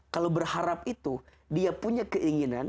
kalau berharap itu dia punya keinginan